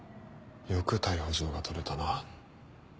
よく逮捕状が取れたな。